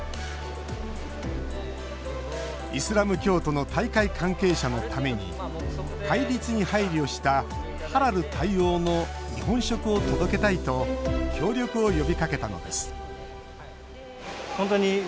イスラム教徒の大会関係者のために戒律に配慮したハラル対応の日本食を届けたいと協力を呼びかけたのですインバウンド対応に力を入れてきた、このすし店。